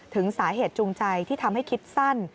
ถึงสาเหตุจูงใจที่ทำให้คิดสั้น